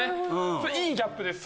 それいいギャップです。